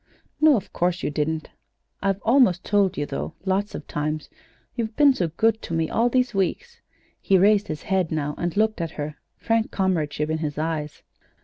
"No, of course you didn't. I've almost told you, though, lots of times; you've been so good to me all these weeks." He raised his head now, and looked at her, frank comradeship in his eyes.